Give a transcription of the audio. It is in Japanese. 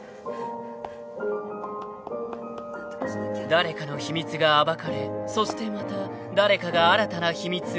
［誰かの秘密が暴かれそしてまた誰かが新たな秘密を生む］